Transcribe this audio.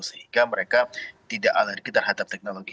sehingga mereka tidak alergi terhadap teknologi